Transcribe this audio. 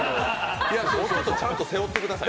もうちょっと、ちゃんと背負ってください。